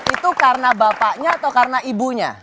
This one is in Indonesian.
itu karena bapaknya atau karena ibunya